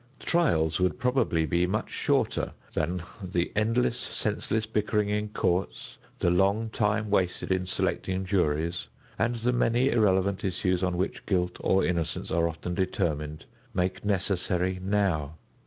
Trials would probably be much shorter than the endless, senseless bickering in courts, the long time wasted in selecting juries and the many irrelevant issues on which guilt or innocence are often determined, make necessary now.